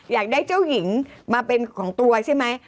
อยากได้เจ้าหญิงมาเป็นของตัวใช่ไหม